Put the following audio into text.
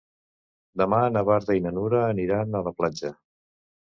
Demà na Marta i na Nura aniran a la platja.